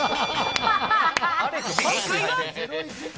正解は。